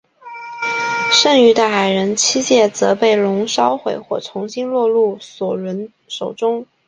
剩余的矮人七戒则被龙烧毁或重新落入索伦手中。